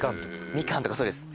みかんとかそうです。